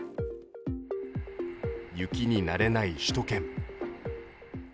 雪に慣れない首都圏。